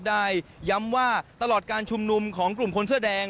ได้ย้ำว่าตลอดการชุมนุมของกลุ่มคนเสื้อแดง